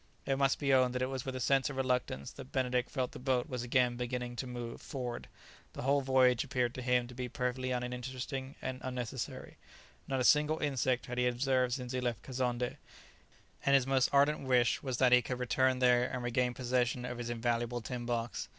It must be owned that it was with a sense of reluctance that Benedict felt the boat was again beginning to move forward; the whole voyage appeared to him to be perfectly uninteresting and unnecessary; not a single insect had he observed since he left Kazonndé, and his most ardent wish was that he could return there and regain possession of his invaluable tin box.